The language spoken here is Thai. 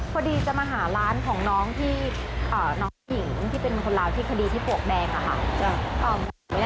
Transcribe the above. พี่หนูลงพวงนิดหนึ่งค่ะ